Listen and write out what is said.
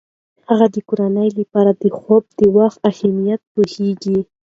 هغې د کورنۍ لپاره د خوب د وخت اهمیت پوهیږي.